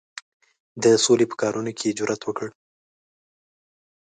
د سولي په کارونو کې یې جرأت وکړ.